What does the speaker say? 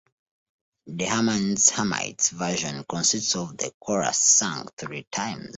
The Herman's Hermits version consists of the chorus sung three times.